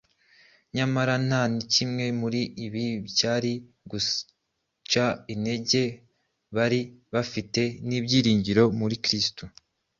nyamara nta na kimwe muri ibi cyari guca intege abari bafite ibyiringiro muri kristo.